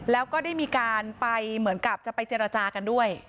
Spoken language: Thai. แล้วก็ได้มีการไปเหมือนกับจะไปเจรจากันด้วย